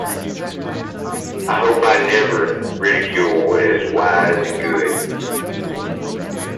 I hope I never ridicule what is wise and good.